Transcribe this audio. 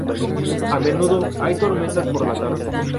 A menudo hay tormentas por la tarde.